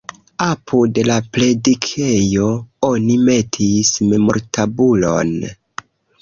Apud la predikejo oni metis memortabulon.